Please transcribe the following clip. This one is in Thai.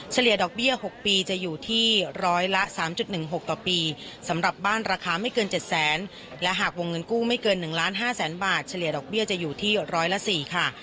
ดอกเบี้ย๖ปีจะอยู่ที่ร้อยละ๓๑๖ต่อปีสำหรับบ้านราคาไม่เกิน๗แสนและหากวงเงินกู้ไม่เกิน๑ล้าน๕แสนบาทเฉลี่ยดอกเบี้ยจะอยู่ที่ร้อยละ๔ค่ะ